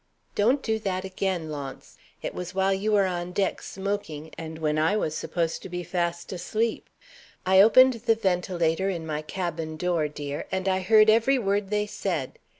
"Don't do that again, Launce! It was while you were on deck smoking, and when I was supposed to be fast asleep. I opened the ventilator in my cabin door, dear, and I heard every word they said.